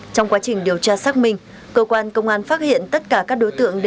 trong quá trình điều tra xác minh cơ quan công an phát hiện tất cả các đối tượng